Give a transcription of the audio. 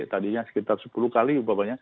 tadinya sekitar sepuluh kali